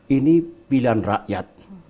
ini pilihan rakyat